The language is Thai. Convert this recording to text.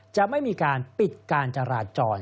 จะไม่มีการปิดการจราจร